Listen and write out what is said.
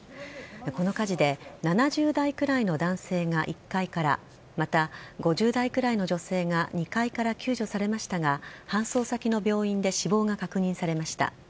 この火事で７０代くらいの男性が１階からまた、５０代くらいの女性が２階から救助されましたが搬送先の病院で死亡が確認されました。